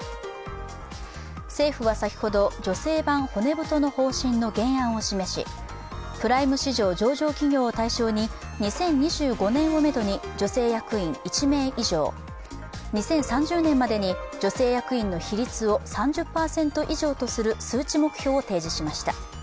政府は先ほど、女性版骨太の方針の原案を示しプライム市場上場企業を対象に２０２５年をめどに女性役員１名以上、２０３０年までに女性役員の比率を３０％以上とする数値目標を提示しました。